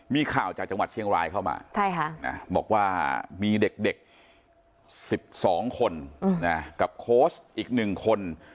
มีข่าวจากจังหวัดเชียงรายเข้ามาบอกว่ามีเด็ก๑๒คนกับโค้ชอีก๑คน